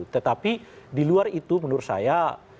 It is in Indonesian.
tetapi di luar itu menurut saya